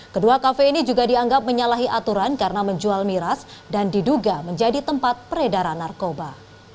kedua kafe ini juga dianggap menyalahi aturan karena menjual miras dan diduga menjadi tempat peredaran narkoba